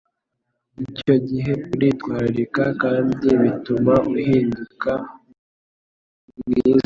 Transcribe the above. Icyo gihe uritwararika kandi bituma uhinduka umwizerwa